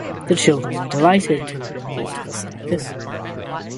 The children were delighted to have been brought to the circus.